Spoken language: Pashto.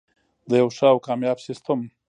د یو ښه او کامیاب سیستم.